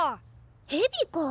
ヘビか。